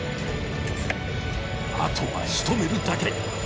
あとはしとめるだけ。